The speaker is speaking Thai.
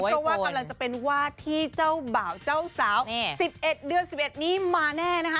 เพราะว่ากำลังจะเป็นวาดที่เจ้าบ่าวเจ้าสาว๑๑เดือน๑๑นี้มาแน่นะคะ